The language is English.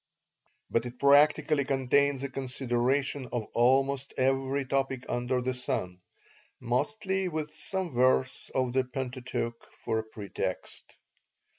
But it practically contains a consideration of almost every topic under the sun, mostly with some verse of the Pentateuch for a pretext.